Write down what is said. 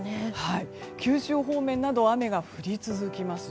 九州方面など雨が降り続きます。